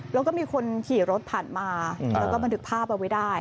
แล้วก็มีคนขี่รถผ่านมาแล้วก็บันทึกภาพเอาไว้ได้